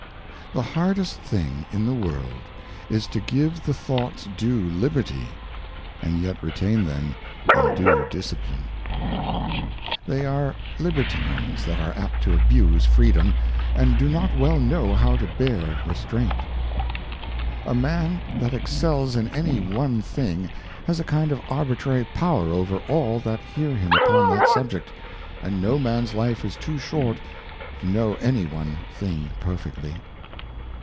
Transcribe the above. The hardest thing in the World is to give the Thoughts due Liberty, and yet retain them in due Discipline. They 250 Miscellaneous Thoughts They are Libertines that are apt to abuse Freedom, and do not well know how to bear Restraint. A Man that excels in any one thing has a kind of arbitrary Power over all that hear him upon that Subject, and no Man's Life is too short to know any one thing perfectly.